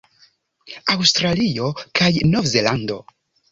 Aŭstralio kaj Novzelando